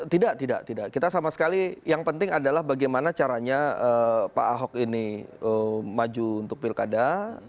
tidak tidak kita sama sekali yang penting adalah bagaimana caranya pak ahok ini maju untuk pilkada